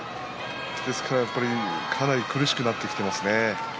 ですから、やっぱりかなり苦しくなってきていますね。